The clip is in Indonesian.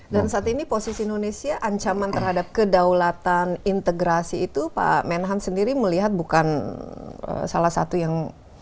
dan saat ini posisi indonesia ancaman terhadap kedaulatan integrasi itu pak menhan sendiri melihat bukan salah satu yang